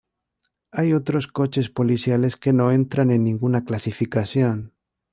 Hay otros coches policiales que no entran en ninguna clasificación.